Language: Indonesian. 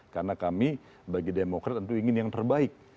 karena kami bagi demokrat tentu ingin yang terbaik